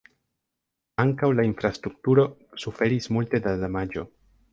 Ankaŭ la infrastrukturo suferis multe da damaĝo.